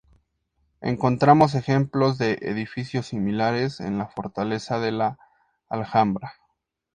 Encontramos ejemplos de edificios similares en la fortaleza de la Alhambra.